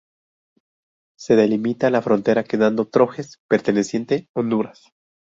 Se delimita la frontera quedando Trojes perteneciente Honduras.